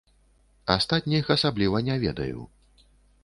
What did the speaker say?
Астатніх асабліва не ведаю.